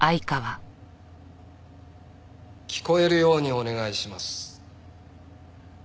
聞こえるようにお願いします。